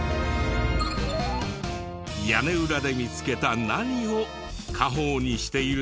屋根裏で見つけた何を家宝にしているでしょうか？